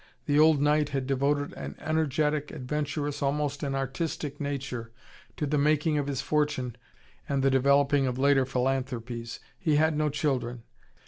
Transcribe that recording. The old knight had devoted an energetic, adventurous, almost an artistic nature to the making of his fortune and the developing of later philanthropies. He had no children.